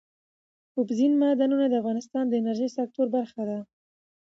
اوبزین معدنونه د افغانستان د انرژۍ سکتور برخه ده.